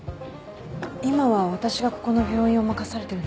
今は私がここの病院を任されてるんです。